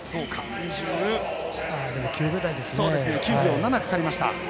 ２９秒７かかりました。